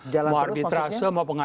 jalan terus maksudnya